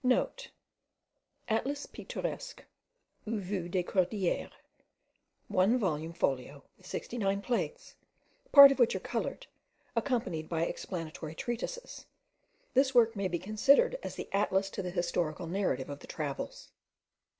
* (*Atlas Pittoresque, ou Vues des Cordilleres, 1 volume folio, with 69 plates, part of which are coloured, accompanied by explanatory treatises. This work may be considered as the Atlas to the historical narrative of the travels.)